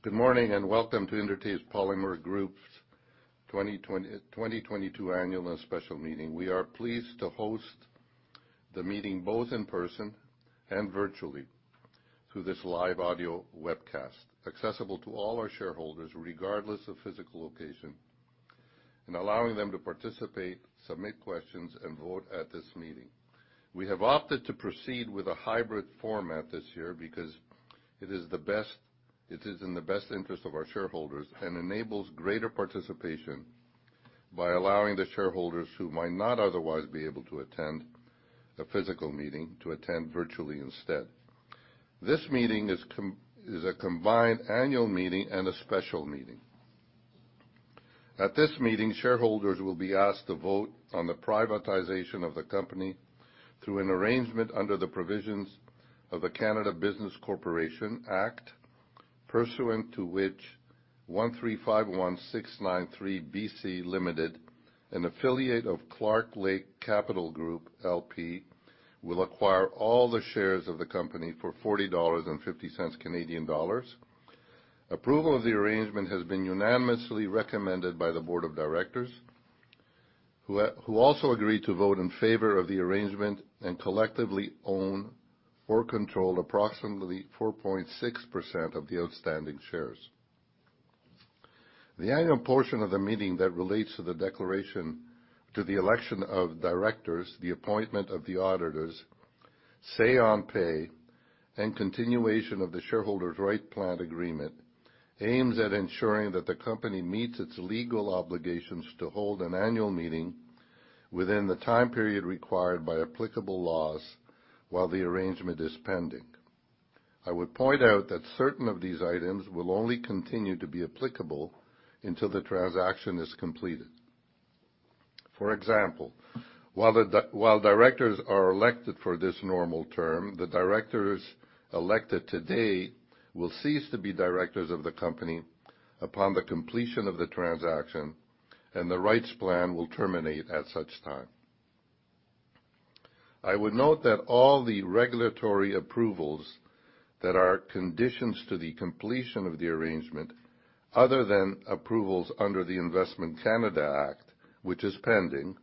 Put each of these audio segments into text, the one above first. Good morning, and welcome to Intertape Polymer Group's 2022 annual and special meeting. We are pleased to host the meeting both in person and virtually through this live audio webcast, accessible to all our shareholders, regardless of physical location, and allowing them to participate, submit questions, and vote at this meeting. We have opted to proceed with a hybrid format this year because it is in the best interest of our shareholders and enables greater participation by allowing the shareholders who might not otherwise be able to attend a physical meeting to attend virtually instead. This meeting is a combined annual meeting and a special meeting. At this meeting, shareholders will be asked to vote on the privatization of the company through an arrangement under the provisions of the Canada Business Corporations Act, pursuant to which 1351693 B.C. Ltd., an affiliate of Clearlake Capital Group, L.P., will acquire all the shares of the company for 40.50 Canadian dollars. Approval of the arrangement has been unanimously recommended by the board of directors, who also agreed to vote in favor of the arrangement and collectively own or control approximately 4.6% of the outstanding shares. The annual portion of the meeting that relates to the declaration to the election of directors, the appointment of the auditors, say on pay, and continuation of the shareholders' rights plan agreement aims at ensuring that the company meets its legal obligations to hold an annual meeting within the time period required by applicable laws while the arrangement is pending. I would point out that certain of these items will only continue to be applicable until the transaction is completed. For example, while directors are elected for this normal term, the directors elected today will cease to be directors of the company upon the completion of the transaction, and the rights plan will terminate at such time. I would note that all the regulatory approvals that are conditions to the completion of the arrangement, other than approvals under the Investment Canada Act, which is pending,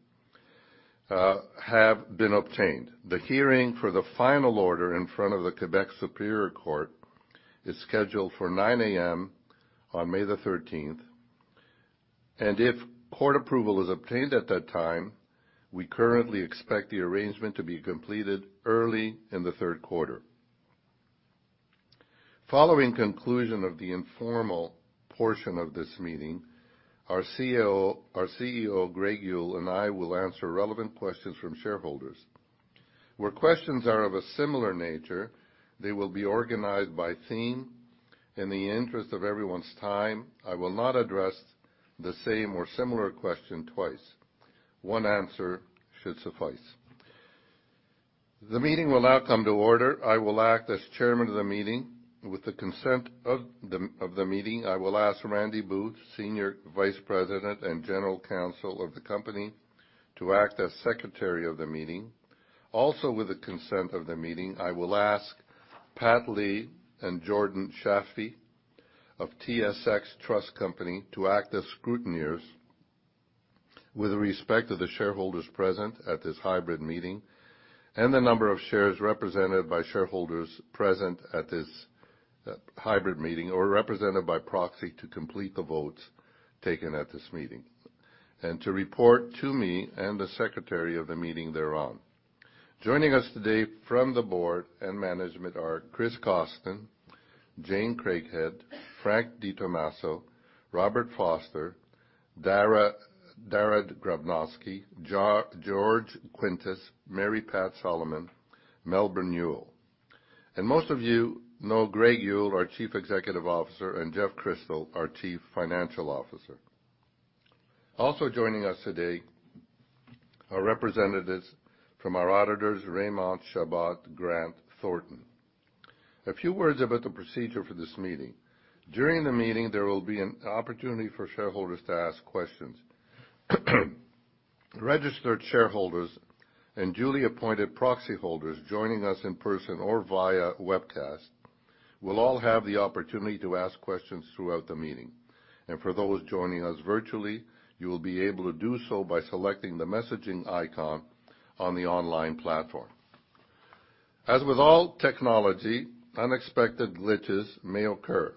have been obtained. The hearing for the final order in front of the Quebec Superior Court is scheduled for 9:00 A.M. on May the thirteenth, and if court approval is obtained at that time, we currently expect the arrangement to be completed early in the third quarter. Following conclusion of the informal portion of this meeting, our CEO, Greg Yull, and I will answer relevant questions from shareholders. Where questions are of a similar nature, they will be organized by theme. In the interest of everyone's time, I will not address the same or similar question twice. One answer should suffice. The meeting will now come to order. I will act as chairman of the meeting. With the consent of the meeting, I will ask Randi Booth, Senior Vice President and General Counsel of the company, to act as secretary of the meeting. Also, with the consent of the meeting, I will ask Pat Lee and Jordan Shafie of TSX Trust Company to act as scrutineers with respect to the shareholders present at this hybrid meeting and the number of shares represented by shareholders present at this hybrid meeting or represented by proxy to complete the votes taken at this meeting and to report to me and the secretary of the meeting thereon. Joining us today from the board and management are Chris Cawston, Jane Craighead, Frank Di Tomaso, Robert Foster, Dahra Granovsky, George Kintias, Mary Pat Salomone, Melbourne Yull. Most of you know Greg Yull, our Chief Executive Officer, and Jeff Crystal, our Chief Financial Officer. Also joining us today are representatives from our auditors, Raymond Chabot Grant Thornton. A few words about the procedure for this meeting. During the meeting, there will be an opportunity for shareholders to ask questions. Registered shareholders and duly appointed proxy holders joining us in person or via webcast will all have the opportunity to ask questions throughout the meeting. For those joining us virtually, you will be able to do so by selecting the messaging icon on the online platform. As with all technology, unexpected glitches may occur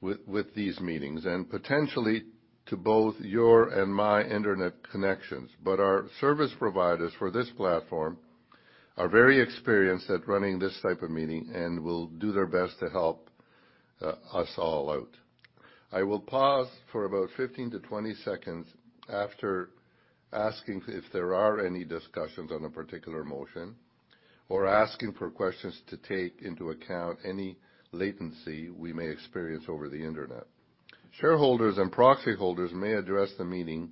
with these meetings, and potentially to both your and my internet connections. Our service providers for this platform are very experienced at running this type of meeting and will do their best to help us all out. I will pause for about 15-20 seconds after asking if there are any discussions on a particular motion or asking for questions to take into account any latency we may experience over the internet. Shareholders and proxy holders may address the meeting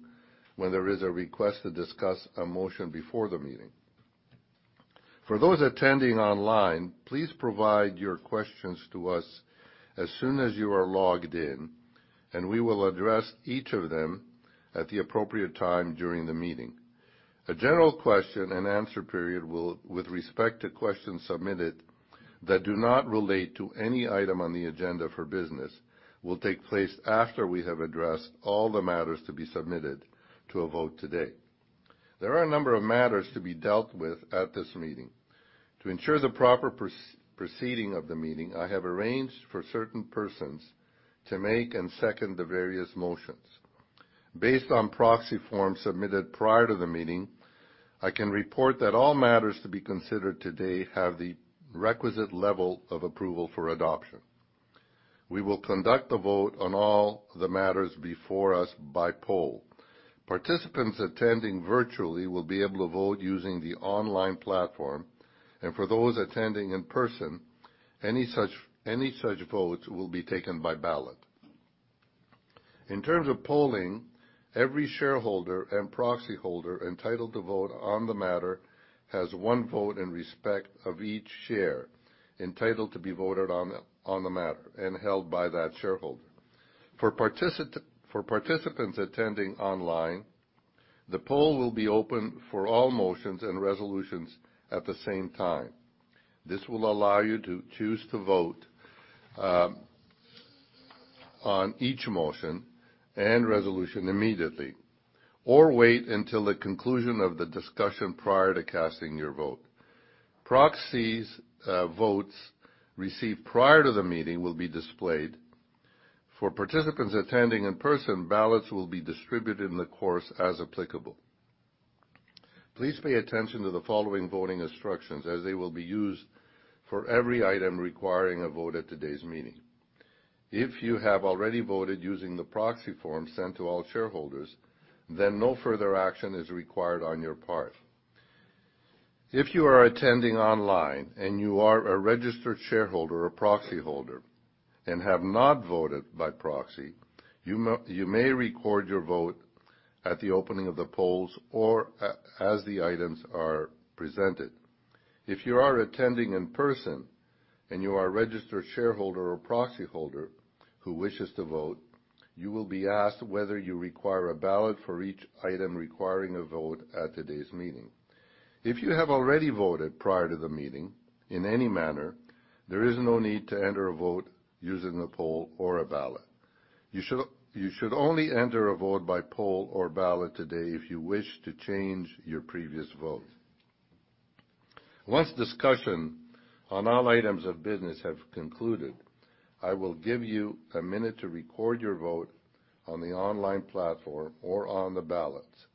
when there is a request to discuss a motion before the meeting. For those attending online, please provide your questions to us as soon as you are logged in. We will address each of them at the appropriate time during the meeting. A general question and answer period will, with respect to questions submitted that do not relate to any item on the agenda for business, will take place after we have addressed all the matters to be submitted to a vote today. There are a number of matters to be dealt with at this meeting. To ensure the proper proceeding of the meeting, I have arranged for certain persons to make and second the various motions. Based on proxy forms submitted prior to the meeting, I can report that all matters to be considered today have the requisite level of approval for adoption. We will conduct the vote on all the matters before us by poll. Participants attending virtually will be able to vote using the online platform, and for those attending in person, any such votes will be taken by ballot. In terms of polling, every shareholder and proxyholder entitled to vote on the matter has one vote in respect of each share entitled to be voted on the matter and held by that shareholder. For participants attending online, the poll will be open for all motions and resolutions at the same time. This will allow you to choose to vote on each motion and resolution immediately or wait until the conclusion of the discussion prior to casting your vote. Proxies, votes received prior to the meeting will be displayed. For participants attending in person, ballots will be distributed in the course as applicable. Please pay attention to the following voting instructions as they will be used for every item requiring a vote at today's meeting. If you have already voted using the proxy form sent to all shareholders, no further action is required on your part. If you are attending online, you are a registered shareholder or proxyholder and have not voted by proxy, you may record your vote at the opening of the polls or as the items are presented. If you are attending in person, and you are a registered shareholder or proxyholder who wishes to vote, you will be asked whether you require a ballot for each item requiring a vote at today's meeting. If you have already voted prior to the meeting in any manner, there is no need to enter a vote using a poll or a ballot. You should only enter a vote by poll or ballot today if you wish to change your previous vote. Once discussion on all items of business have concluded, I will give you a minute to record your vote on the online platform or on the ballots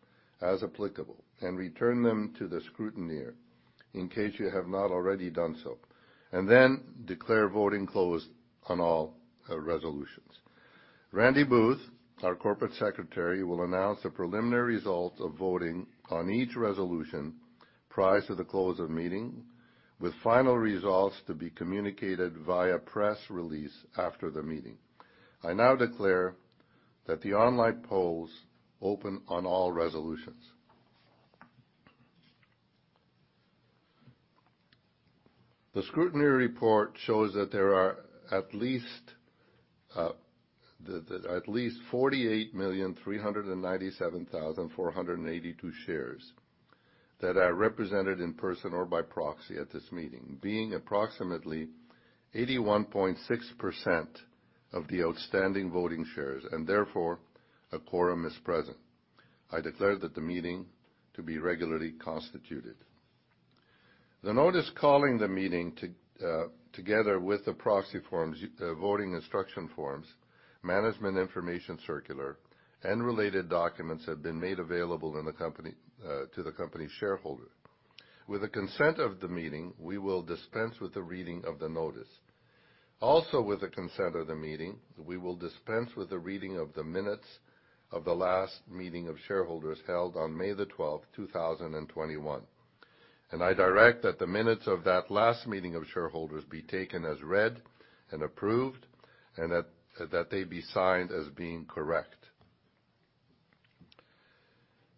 as applicable and return them to the scrutineer in case you have not already done so. Declare voting closed on all resolutions. Randi Booth, our corporate secretary, will announce the preliminary results of voting on each resolution prior to the close of meeting, with final results to be communicated via press release after the meeting. I now declare that the online polls open on all resolutions. The scrutiny report shows that there are at least 48,397,482 shares that are represented in person or by proxy at this meeting, being approximately 81.6% of the outstanding voting shares, and therefore, a quorum is present. I declare that the meeting to be regularly constituted. The notice calling the meeting to, together with the proxy forms, voting instruction forms, management information circular, and related documents have been made available in the company, to the company's shareholder. With the consent of the meeting, we will dispense with the reading of the notice. Also, with the consent of the meeting, we will dispense with the reading of the minutes of the last meeting of shareholders held on May 12th, 2021. I direct that the minutes of that last meeting of shareholders be taken as read and approved, and that they be signed as being correct.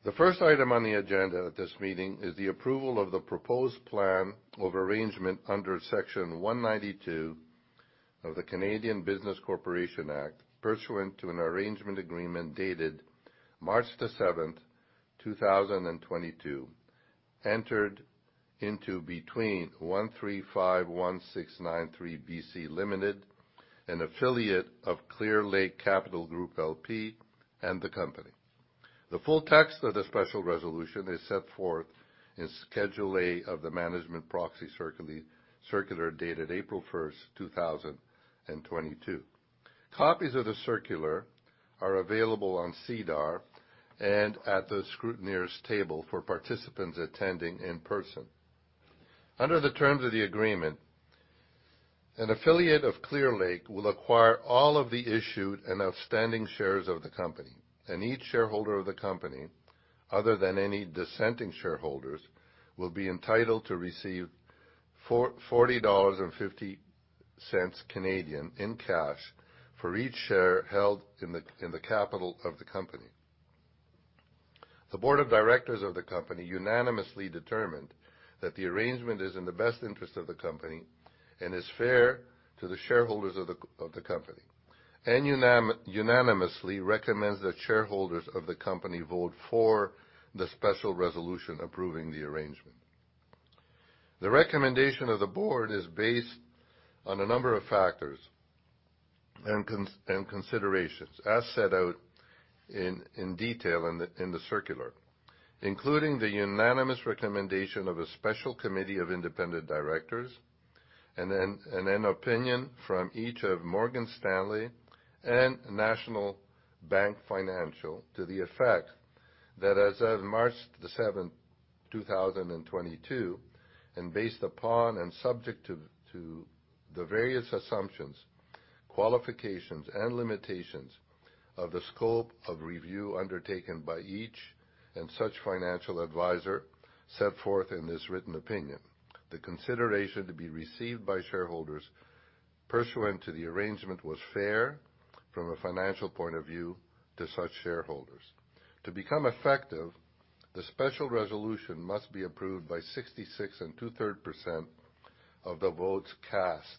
The first item on the agenda at this meeting is the approval of the proposed plan of arrangement under Section 192 of the Canada Business Corporations Act, pursuant to an arrangement agreement dated March 7th, 2022, entered into between 1351693 B.C. Ltd., an affiliate of Clearlake Capital Group, L.P., and the company. The full text of the special resolution is set forth in Schedule A of the management proxy circular dated April 1st, 2022. Copies of the circular are available on SEDAR and at the scrutineer's table for participants attending in person. Under the terms of the agreement, an affiliate of Clearlake will acquire all of the issued and outstanding shares of the company, and each shareholder of the company, other than any dissenting shareholders, will be entitled to receive 40.50 Canadian dollars in cash for each share held in the capital of the company. The board of directors of the company unanimously determined that the arrangement is in the best interest of the company and is fair to the shareholders of the company and unanimously recommends that shareholders of the company vote for the special resolution approving the arrangement. The recommendation of the board is based on a number of factors and considerations as set out in detail in the circular, including the unanimous recommendation of a special committee of independent directors and an opinion from each of Morgan Stanley and National Bank Financial to the effect that as of March 7th, 2022, and based upon and subject to the various assumptions, qualifications, and limitations of the scope of review undertaken by each and such financial advisor set forth in this written opinion, the consideration to be received by shareholders pursuant to the arrangement was fair from a financial point of view to such shareholders. To become effective, the special resolution must be approved by 66 and 2/3% of the votes cast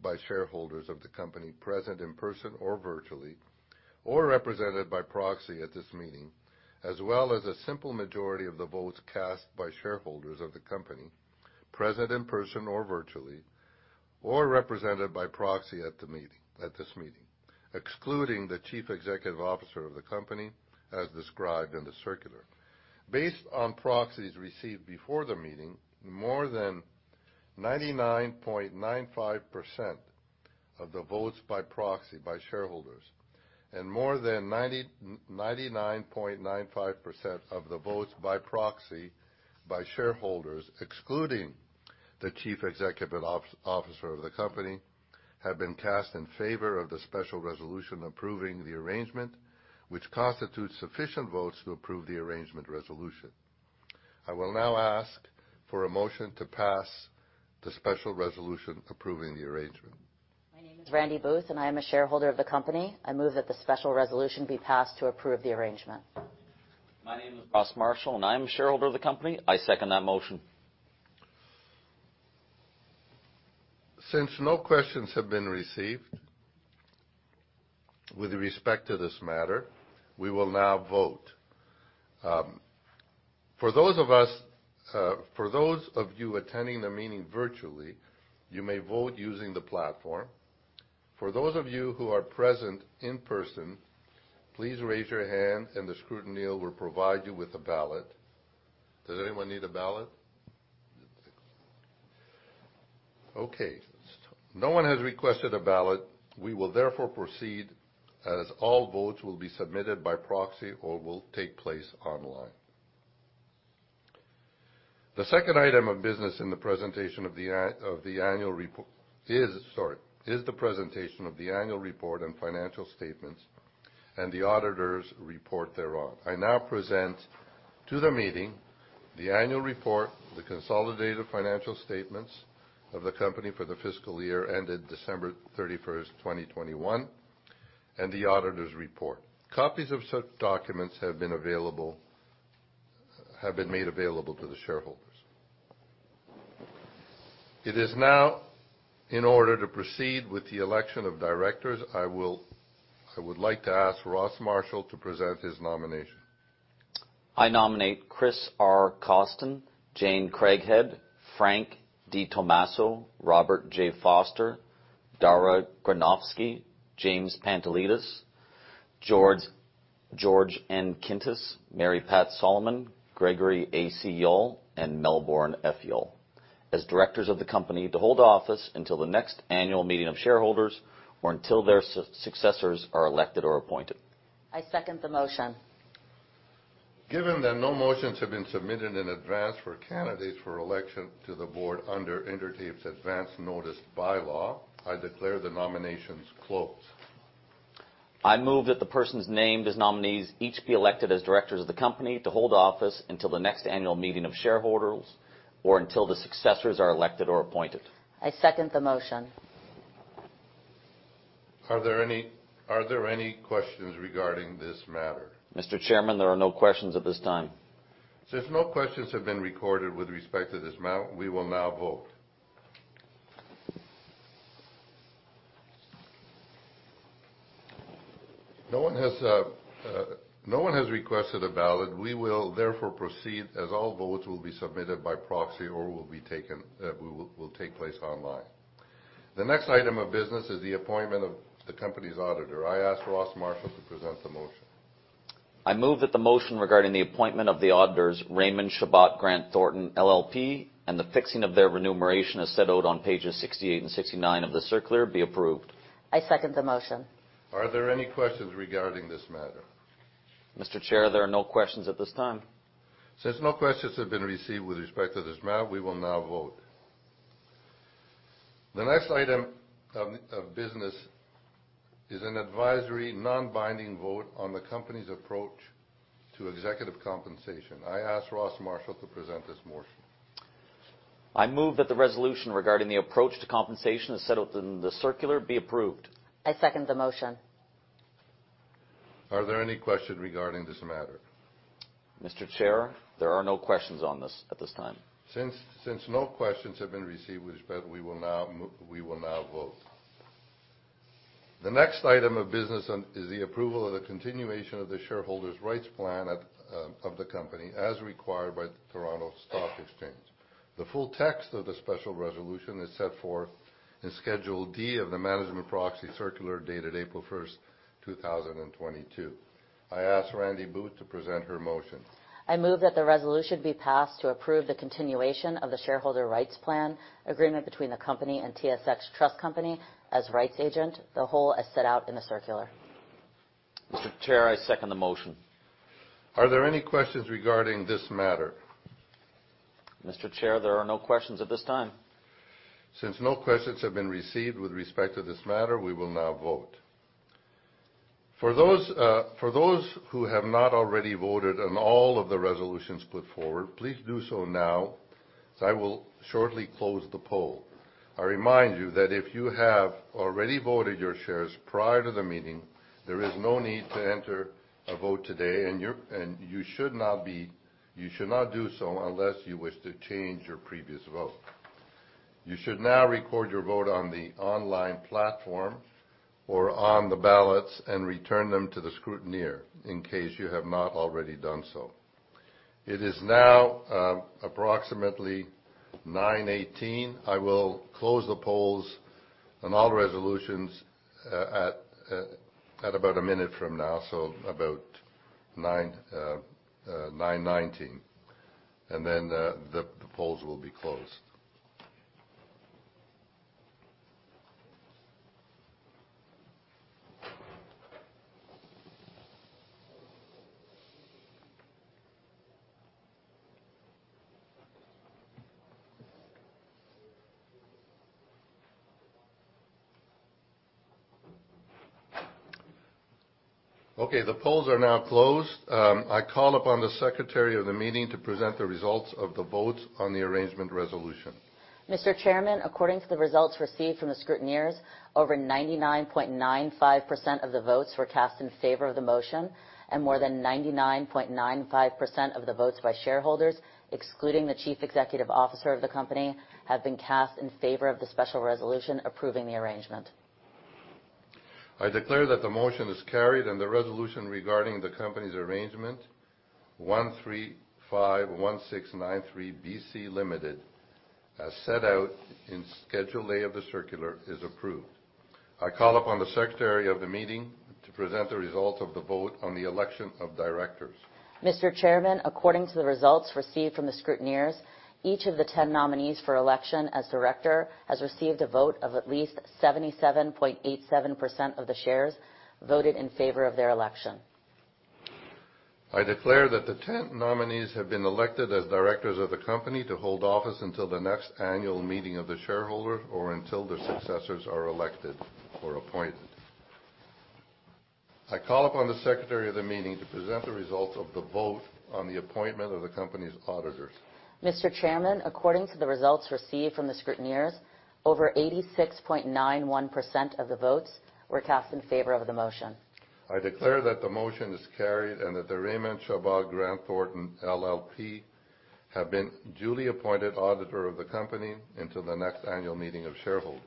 by shareholders of the company present in person or virtually, or represented by proxy at this meeting, as well as a simple majority of the votes cast by shareholders of the company present in person or virtually, or represented by proxy at this meeting, excluding the Chief Executive Officer of the company as described in the circular. Based on proxies received before the meeting, more than 99.95% of the votes by proxy by shareholders and more than 99.95% of the votes by proxy by shareholders, excluding the Chief Executive Officer of the company, have been cast in favor of the special resolution approving the arrangement, which constitutes sufficient votes to approve the arrangement resolution. I will now ask for a motion to pass the special resolution approving the arrangement. My name is Randi Booth, and I am a shareholder of the company. I move that the special resolution be passed to approve the arrangement. My name is Ross Marshall, and I am a shareholder of the company. I second that motion. Since no questions have been received with respect to this matter, we will now vote. For those of you attending the meeting virtually, you may vote using the platform. For those of you who are present in person, please raise your hand and the scrutineer will provide you with a ballot. Does anyone need a ballot? Okay. No one has requested a ballot. We will therefore proceed as all votes will be submitted by proxy or will take place online. The second item of business is the presentation of the annual report and financial statements and the auditor's report thereon. I now present to the meeting the annual report, the consolidated financial statements of the company for the fiscal year ended December 31st, 2021, and the auditor's report. Copies of such documents have been made available to the shareholders. It is now in order to proceed with the election of directors. I would like to ask Ross Marshall to present his nomination. I nominate Chris R. Cawston, Jane Craighead, Frank Di Tomaso, Robert J. Foster, Dahra Granovsky, James Pantelidis, George N. Kintias, Mary Pat Salomone, Gregory A. C. Yull, and Melbourne F. Yull as directors of the company to hold office until the next annual meeting of shareholders or until their successors are elected or appointed. I second the motion. Given that no motions have been submitted in advance for candidates for election to the board under Intertape's advanced notice bylaw, I declare the nominations closed. I move that the persons named as nominees each be elected as directors of the company to hold office until the next annual meeting of shareholders or until the successors are elected or appointed. I second the motion. Are there any questions regarding this matter? Mr. Chairman, there are no questions at this time. Since no questions have been recorded with respect to this matter, we will now vote. No one has requested a ballot. We will therefore proceed as all votes will be submitted by proxy or will be taken, will take place online. The next item of business is the appointment of the company's auditor. I ask Ross Marshall to present the motion. I move that the motion regarding the appointment of the auditors, Raymond Chabot Grant Thornton LLP, and the fixing of their remuneration as set out on pages 68 and 69 of the circular be approved. I second the motion. Are there any questions regarding this matter? Mr. Chair, there are no questions at this time. Since no questions have been received with respect to this matter, we will now vote. The next item of business is an advisory non-binding vote on the company's approach to executive compensation. I ask Ross Marshall to present this motion. I move that the resolution regarding the approach to compensation as set out in the circular be approved. I second the motion. Are there any questions regarding this matter? Mr. Chair, there are no questions on this at this time. Since no questions have been received with respect, we will now vote. The next item of business is the approval of the continuation of the shareholders' rights plan at of the company, as required by the Toronto Stock Exchange. The full text of the special resolution is set forth in Schedule D of the management proxy circular dated April 1st, 2022. I ask Randi Booth to present her motion. I move that the resolution be passed to approve the continuation of the shareholder rights plan agreement between the company and TSX Trust Company as rights agent, the whole as set out in the circular. Mr. Chair, I second the motion. Are there any questions regarding this matter? Mr. Chair, there are no questions at this time. Since no questions have been received with respect to this matter, we will now vote. For those who have not already voted on all of the resolutions put forward, please do so now, as I will shortly close the poll. I remind you that if you have already voted your shares prior to the meeting, there is no need to enter a vote today, and you should not do so unless you wish to change your previous vote. You should now record your vote on the online platform or on the ballots and return them to the scrutineer, in case you have not already done so. It is now approximately 9:18 A.M. I will close the polls on all resolutions at about a minute from now, so about 9:19 A.M. The polls will be closed. The polls are now closed. I call upon the secretary of the meeting to present the results of the votes on the arrangement resolution. Mr. Chairman, according to the results received from the scrutineers, over 99.95% of the votes were cast in favor of the motion, and more than 99.95% of the votes by shareholders, excluding the Chief Executive Officer of the company, have been cast in favor of the special resolution approving the arrangement. I declare that the motion is carried and the resolution regarding the company's arrangement, 1351693 B.C. Ltd., as set out in Schedule A of the circular, is approved. I call upon the secretary of the meeting to present the results of the vote on the election of directors. Mr. Chairman, according to the results received from the scrutineers, each of the 10 nominees for election as director has received a vote of at least 77.87% of the shares voted in favor of their election. I declare that the 10 nominees have been elected as directors of the company to hold office until the next annual meeting of the shareholder or until their successors are elected or appointed. I call upon the secretary of the meeting to present the results of the vote on the appointment of the company's auditors. Mr. Chairman, according to the results received from the scrutineers, over 86.91% of the votes were cast in favor of the motion. I declare that the motion is carried and that the Raymond Chabot Grant Thornton LLP have been duly appointed auditor of the company until the next annual meeting of shareholders.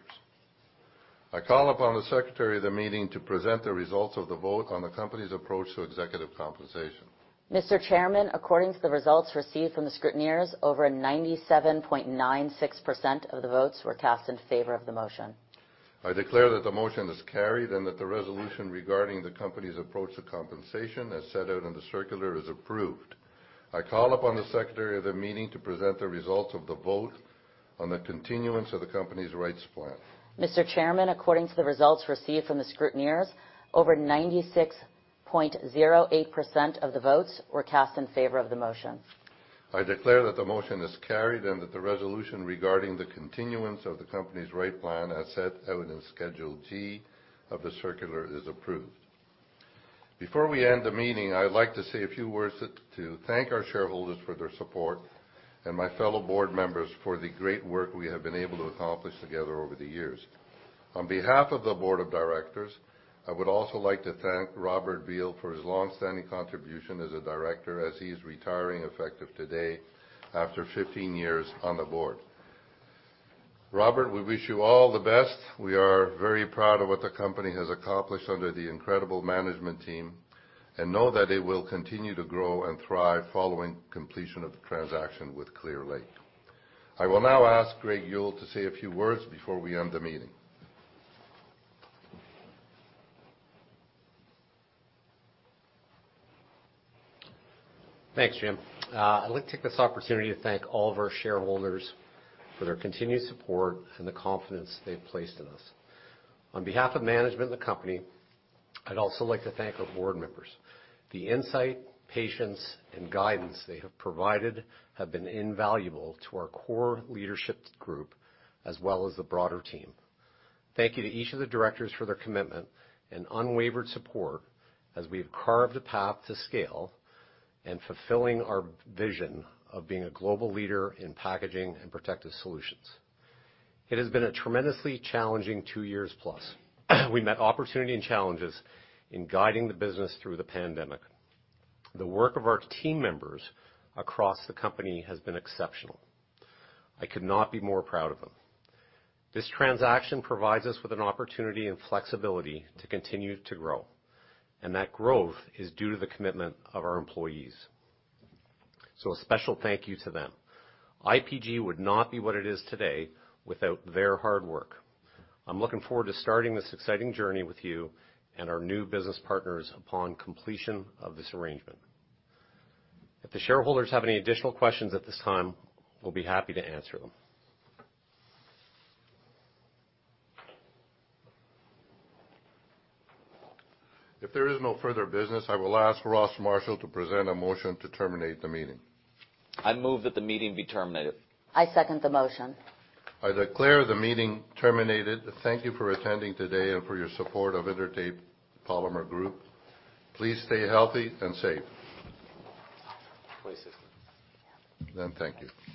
I call upon the secretary of the meeting to present the results of the vote on the company's approach to executive compensation. Mr. Chairman, according to the results received from the scrutineers, over 97.96% of the votes were cast in favor of the motion. I declare that the motion is carried and that the resolution regarding the company's approach to compensation, as set out in the circular, is approved. I call upon the secretary of the meeting to present the results of the vote on the continuance of the company's rights plan. Mr. Chairman, according to the results received from the scrutineers, over 96.08% of the votes were cast in favor of the motion. I declare that the motion is carried and that the resolution regarding the continuance of the company's right plan, as set out in Schedule G of the circular, is approved. Before we end the meeting, I would like to say a few words to thank our shareholders for their support and my fellow board members for the great work we have been able to accomplish together over the years. On behalf of the board of directors, I would also like to thank Robert Beil for his longstanding contribution as a director, as he is retiring effective today after 15 years on the board. Robert, we wish you all the best. We are very proud of what the company has accomplished under the incredible management team and know that it will continue to grow and thrive following completion of the transaction with Clearlake. I will now ask Greg Yull to say a few words before we end the meeting. Thanks, James. I'd like to take this opportunity to thank all of our shareholders for their continued support and the confidence they've placed in us. On behalf of management and the company, I'd also like to thank our board members. The insight, patience, and guidance they have provided have been invaluable to our core leadership group as well as the broader team. Thank you to each of the directors for their commitment and unwavering support as we have carved a path to scale and fulfilling our vision of being a global leader in packaging and protective solutions. It has been a tremendously challenging two years plus. We met opportunity and challenges in guiding the business through the pandemic. The work of our team members across the company has been exceptional. I could not be more proud of them. This transaction provides us with an opportunity and flexibility to continue to grow. That growth is due to the commitment of our employees. A special thank you to them. IPG would not be what it is today without their hard work. I'm looking forward to starting this exciting journey with you and our new business partners upon completion of this arrangement. If the shareholders have any additional questions at this time, we'll be happy to answer them. If there is no further business, I will ask Ross Marshall to present a motion to terminate the meeting. I move that the meeting be terminated. I second the motion. I declare the meeting terminated. Thank you for attending today and for your support of Intertape Polymer Group. Please stay healthy and safe. Stay safe. Yeah. Thank you.